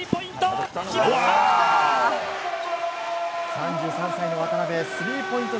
３３歳の渡邉スリーポイント